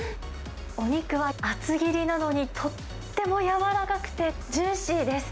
お肉は厚切りなのに、とっても柔らかくて、ジューシーです。